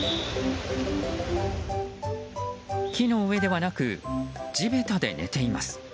木の上ではなく地べたで寝ています。